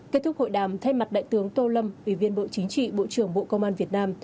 kết thúc hội đàm thay mặt đại tướng tô lâm ủy viên bộ chính trị bộ trưởng bộ công an việt nam